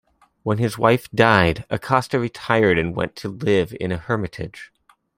When his wife died, Acosta retired and went to live in a hermitage.